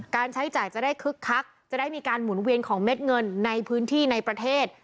ใช้จ่ายจะได้คึกคักจะได้มีการหมุนเวียนของเม็ดเงินในพื้นที่ในประเทศ